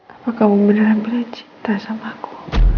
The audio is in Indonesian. apa kamu beneran cinta sama aku